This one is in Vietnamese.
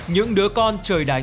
những đứa con trời đánh